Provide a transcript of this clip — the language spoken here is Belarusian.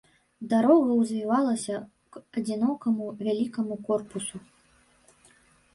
Дарога ўзвівалася к адзінокаму вялікаму корпусу.